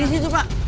di situ pak